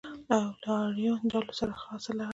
او له آریون ډلو سره خاصه اړه لري.